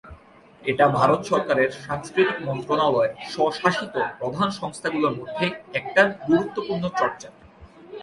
এটা ভারত সরকারের সাংস্কৃতিক মন্ত্রণালয়ের স্বশাসিত প্রধান সংস্থাগুলোর মধ্যে একটার গুরুত্বপূর্ণ চর্চা।